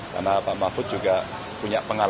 karena pak mahfud juga punya pengangguran